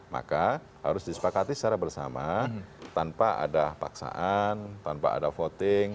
maka harus disepakati secara bersama tanpa ada paksaan tanpa ada voting